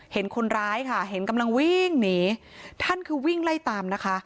เห็นคนร้ายค่ะเห็นกำลังวิ่งหนีท่านคือวิ่งไล่ตามนะคะ